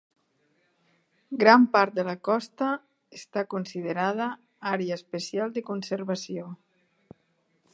Gran part de la costa està considerada Àrea Especial de Conservació.